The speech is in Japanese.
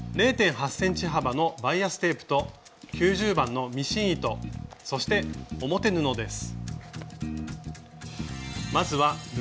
０．８ｃｍ幅のバイアステープと９０番のミシン糸そして表布です。